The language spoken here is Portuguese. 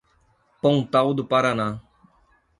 Pontal do Paraná